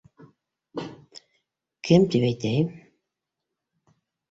- Кем тип әйтәйем...